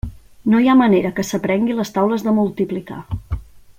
No hi ha manera que s'aprengui les taules de multiplicar.